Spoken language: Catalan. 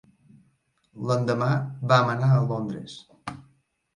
L'endemà, vam anar a Londres.